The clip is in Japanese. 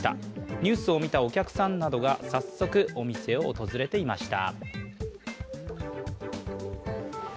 ニュースを見たお客さんなどが早速お店を訪れていました。